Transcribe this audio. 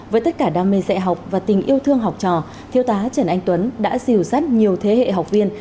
với tất cả đam mê dạy học và tình yêu thương học trò thiếu tá trần anh tuấn đã dìu dắt nhiều thế hệ học viên